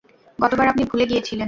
গতবার আপনি ভুলে গিয়েছিলেন।